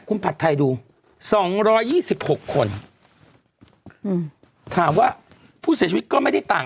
คุณผัดไทยดูสองร้อยยี่สิบหกคนอืมถามว่าผู้เสียชีวิตก็ไม่ได้ต่าง